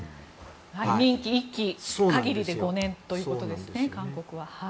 韓国は任期１期限りで５年ということですね。